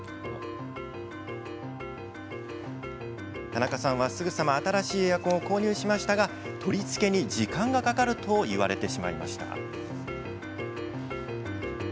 田中さんは、すぐさま新しいエアコンを購入しましたが取り付けに時間がかかると言われてしまいました。